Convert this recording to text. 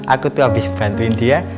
aku tuh abis ngebantuin dia